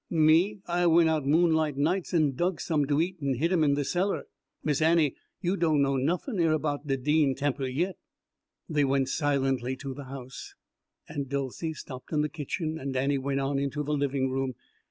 Me, I went out moonlight nights an' dug some to eat an' hid 'em in de cellar. Miss Annie, you doan' know nuffin' erbout de Dean temper yit." They went silently to the house. Aunt Dolcey stopped in the kitchen and Annie went on into the living room.